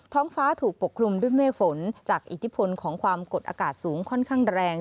ท้องฟ้าถูกปกคลุมด้วยเมฆฝนจากอิทธิพลของความกดอากาศสูงค่อนข้างแรง